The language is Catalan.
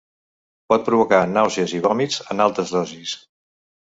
Pot provocar nàusees i vòmits en altes dosis.